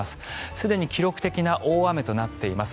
すでに記録的な大雨となっています。